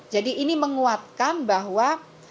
jadi ini menguatkan bahwa